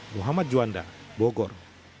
muhammad juanda bogor